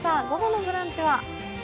午後の「ブランチ」は？